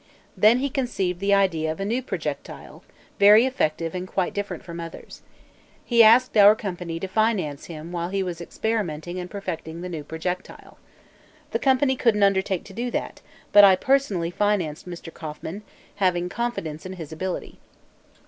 Then he conceived the idea of a new projectile, very effective and quite different from others. He asked our company to finance him while he was experimenting and perfecting the new projectile. The company couldn't undertake to do that, but I personally financed Mr. Kauffman, having confidence in his ability.